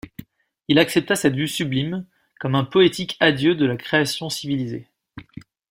Il accepta cette vue sublime comme un poétique adieu de la création civilisée.